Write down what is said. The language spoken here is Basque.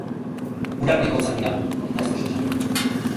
Urak nahiko hotzak dira, eta ez oso sakonak.